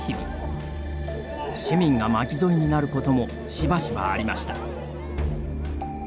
市民が巻き添えになることもしばしばありました。